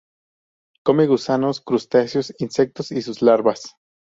Come gusanos, crustáceos insectos y sus larvas.